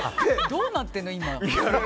どうなってんの今。